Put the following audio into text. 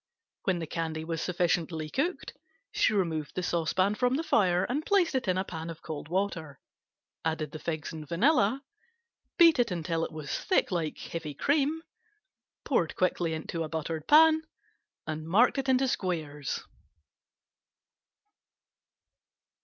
When the candy was sufficiently cooked she removed the saucepan from the fire and placed it in a pan of cold water, added the figs and vanilla, beat until it was thick like heavy cream, poured quickly into buttered pan and marked in squares.